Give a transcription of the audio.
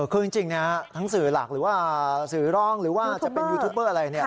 คือจริงทั้งสื่อหลักหรือว่าสื่อร้องหรือว่าจะเป็นยูทูปเบอร์อะไร